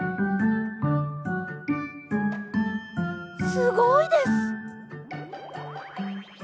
すごいです！